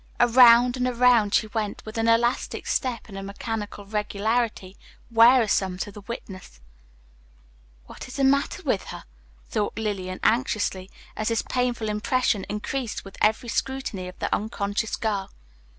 Around and around she went, with an elastic step and a mechanical regularity wearisome to witness. What is the matter with her? thought Lillian anxiously, as this painful impression increased with every scrutiny of the unconscious girl.